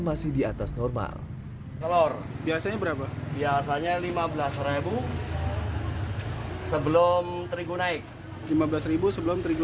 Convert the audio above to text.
masih di atas normal telur biasanya berapa biasanya lima belas sebelum terigu naik lima belas sebelum terigu